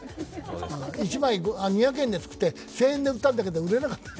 １枚２００円でつくって、１０００円で打たれたけど、売れなかった。